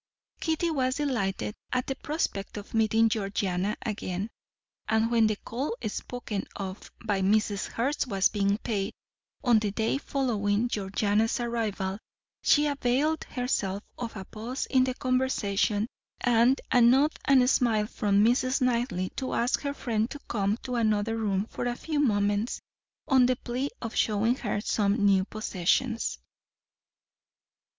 Kitty was delighted at the prospect of meeting Georgiana again, and when the call spoken of by Mrs. Hurst was being paid, on the day following Georgiana's arrival, she availed herself of a pause in the conversation, and a nod and a smile from Mrs. Knightley, to ask her friend to come to another room for a few moments, on the plea of showing her some new possessions.